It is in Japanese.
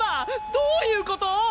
どういうこと。